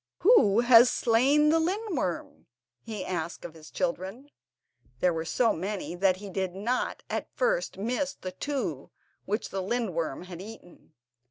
"Who has slain the lindworm?" he asked of his children; there were so many that he did not at first miss the two which the lindworm had eaten.